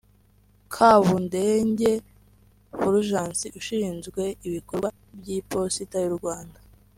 Kabundege Fulgence ushinzwe ibikorwa by’Iposita y’u Rwanda